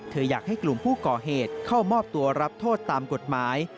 อยากให้กลุ่มผู้ก่อเหตุเข้ามอบตัวรับโทษตามกฎหมาย